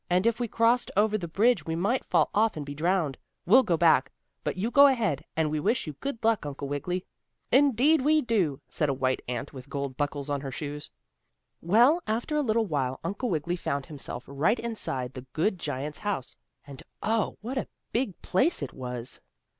"If we crossed over the bridge we might fall off and be drowned. We'll go back, but you go ahead, and we wish you good luck, Uncle Wiggily." "Indeed we do," said a white ant with gold buckles on her shoes. Well, after a little while Uncle Wiggily found himself right inside the good giant's house. And oh! what a big place it was.